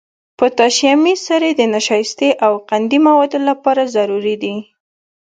پوتاشیمي سرې د نشایستې او قندي موادو لپاره ضروري دي.